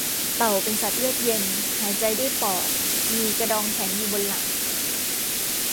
เต่าเป็นสัตว์เลือดเย็น หายใจด้วยปอด มีกระดองแข็งอยู่บนหลัง